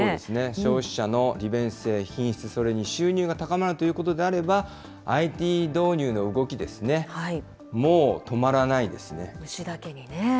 消費者の利便性、品質、それに収入が高まるということであれば、ＩＴ導入の動きですね、もう止まらないですね。